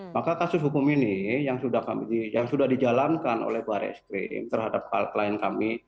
maka kasus hukum ini yang sudah dijalankan oleh baris krim terhadap klien kami